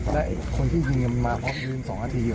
แล้วคนที่ยืนยังมาพร้อมยืน๒นาทีหรอ